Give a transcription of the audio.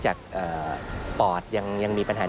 พบหน้าลูกแบบเป็นร่างไร้วิญญาณ